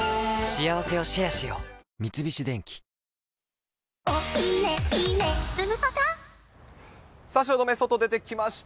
三菱電機さあ、汐留、外出てきました。